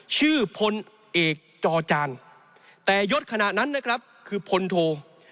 ชื่อพลเอกจอจานแต่ยศขณะนั้นนะครับคือพลโท